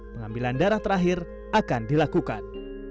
pengambilan darah terakhir akan dilakukan